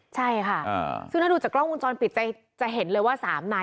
ใช่ค่ะซึ่งถ้าดูจากกล้องวงจรปิดจะเห็นเลยว่า๓นาย